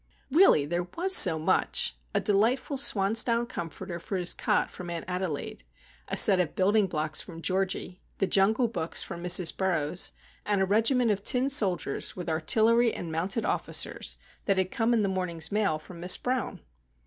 Really, there was so much! A delightful swan's down comforter for his cot from Aunt Adelaide; a set of building blocks from Georgie; the Jungle Books from Mrs. Burroughs; and a regiment of tin soldiers, with artillery and mounted officers, that had come in the morning's mail from Miss Brown.